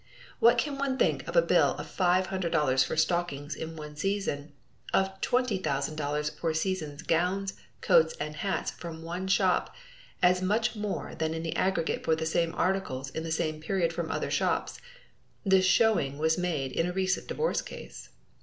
What can one think of a bill of $500 for stockings in one season, of $20,000 for a season's gowns, coats and hats from one shop and as much more in the aggregate for the same articles in the same period from other shops; this showing was made in a recent divorce case.